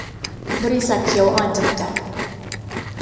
บริษัท เขียวอ่อน จำกัด